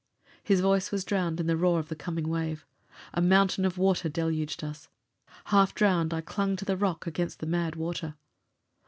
His voice was drowned in the roar of the coming wave. A mountain of water deluged us. Half drowned, I clung to the rock against the mad water.